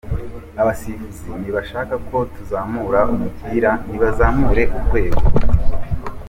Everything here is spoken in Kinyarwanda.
Abasifuzi niba bashaka ko tuzamura umupira nibazamure urwego.